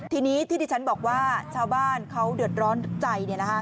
ทีนี้ที่ที่ฉันบอกว่าชาวบ้านเขาเดือดร้อนใจ